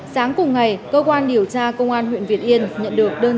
sáng cùng ngày cơ quan điều tra công an huyện việt yên nhận được đơn